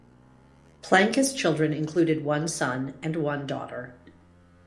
Plancus children included one son and one daughter.